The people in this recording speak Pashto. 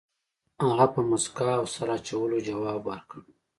هغه په موسکا او سر اچولو ځواب ورکړ.